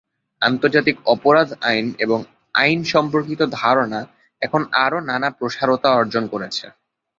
আন্তর্জাতিক অপরাধ আইন এবং আইন-সম্পর্কিত ধারণা এখন আরও নানা প্রসারতা অর্জন করছে।